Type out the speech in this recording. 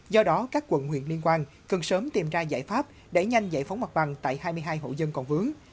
do đó các quận huyện liên quan cần sớm tìm ra giải pháp để nhanh giải phóng mặt bằng tại hai mươi hai hộ dân còn vướng